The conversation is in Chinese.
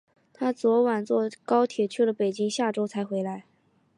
她昨晚坐高铁去了北京，下周才回来。